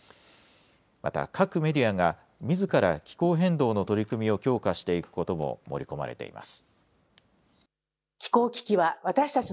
また各メディアがみずから気候変動の取り組みを強化していくことも盛り込まれています。